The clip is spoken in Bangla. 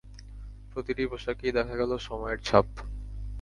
প্রতিটি পোশাকেই দেখা গেল সময়ের ছাপ।